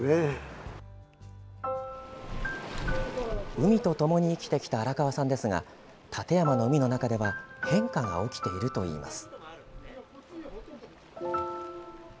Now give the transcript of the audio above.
海とともに生きてきた荒川さんですが館山の海の中では変化が起きているといいます。